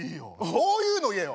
そういうの言えよ！